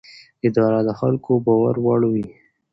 اداره د خلکو د باور وړ وي.